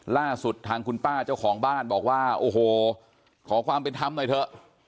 ล่าสุดทางคุณป้าเจ้าของบ้านบอกว่าโอ้โหขอความเป็นธรรมหน่อยเถอะ